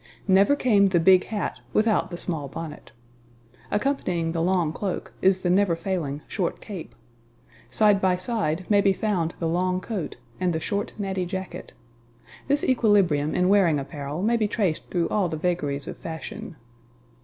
Never came the big hat without the small bonnet. Accompanying the long cloak is the never failing short cape. Side by side may be found the long coat and the short, natty jacket. This equilibrium in wearing apparel may be traced through all the vagaries of fashion.